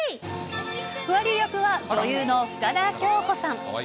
フワリー役は、女優の深田恭子さん。